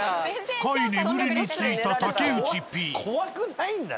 深い眠りについた竹内Ｐ。